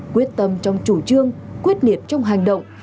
quyết tâm trong chủ trương quyết liệt trong hành động